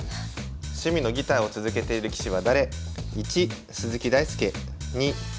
趣味のギターを続けている棋士は誰？